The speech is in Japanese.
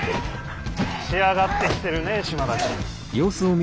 仕上がってきてるね島田君。